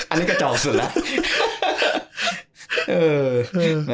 อันนี้กระจอกสุดแล้ว